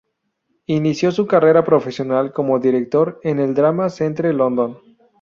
Inició su carrera profesional como director en el Drama Centre London.